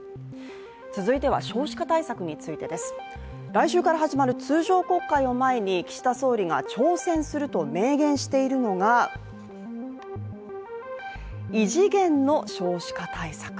続いては、少子化対策についてです。来週から始まる通常国会を前に岸田総理が挑戦すると明言しているのが異次元の少子化対策。